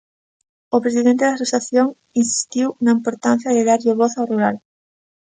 O presidente da asociación insistiu na importancia de darlle voz ao rural.